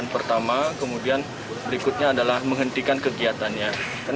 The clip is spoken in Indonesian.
pertama kemudian berikutnya adalah menghentikan kegiatannya